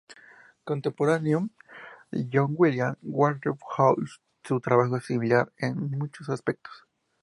Contemporáneo de John William Waterhouse, su trabajo es similar en muchos aspectos.